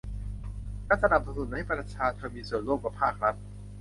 และสนับสนุนให้ประชาชนมีส่วนร่วมกับภาครัฐ